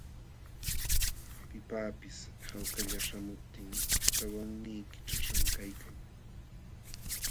Pipaqpis hawkalla śhamuptin sawannii kićhaśhqam kaykan.